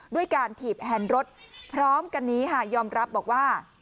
ด้วยการถีบแฮนด์รถพร้อมกันนี้ค่ะยอมรับบอกว่า